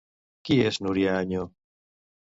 Qui és Núria Añó?